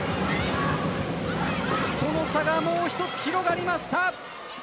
その差がもう一つ広がりました。